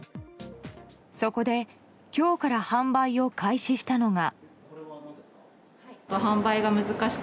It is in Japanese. そこで、今日から販売を開始したのが。